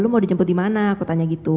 lu mau dijemput di mana aku tanya gitu